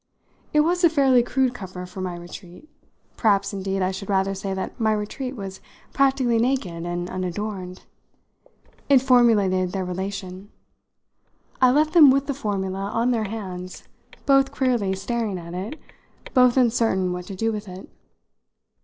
It was a fairly crude cover for my retreat; perhaps indeed I should rather say that my retreat was practically naked and unadorned. It formulated their relation. I left them with the formula on their hands, both queerly staring at it, both uncertain what to do with it.